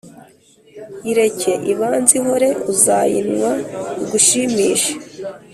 yireke ibanze ihore, uzayinywa igushimishe!